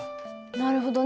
なるほどね。